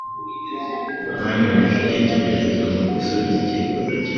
Banyoherereje icyitegererezo mu gusubiza icyifuzo cyanjye.